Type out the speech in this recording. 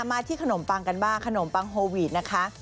มาที่ขนมปังกันบ้างขนมปังโฮวีดนะคะ